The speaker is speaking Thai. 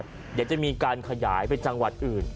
เดี๋ยวจะมีการขยายไปจังหวัดอื่น